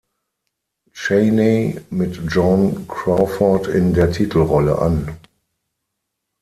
Cheyney" mit Joan Crawford in der Titelrolle an.